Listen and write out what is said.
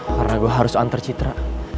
karena gue harus antar citra